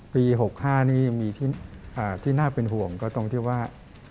ปี๖๕นี่มีที่น่าเป็นห่วงก็ตรงที่ว่า